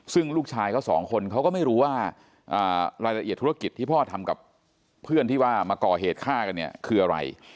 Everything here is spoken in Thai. ซึ่งลูกชายเขาสองคนเขาก็ไม่รู้ว่ารายละเอียดธุรกิจที่พ่อทำกับเพื่อนที่ว่ามาก่อเหตุฆ่ากันเนี่ยคืออะไร